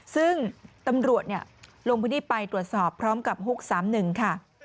ซึ่งตำรวจลงพื้นที่ไปตรวจสอบพร้อมกับฮุก๓๑ค่ะ